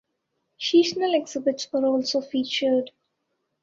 Seasonal exhibits are also featured.